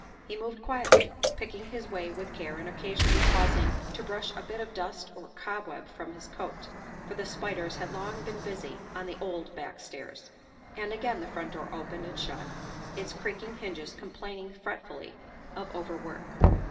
He moved quietly, picking his way with care and occasionally pausing to brush a bit of dust or cobweb from his coat, for the spiders had long been busy on the old back stairs. And again the front door opened and shut, its creak ing hinges complaining fretfully of overwork.